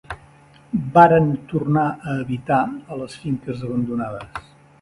Varen tornar a habitar a les finques abandonades.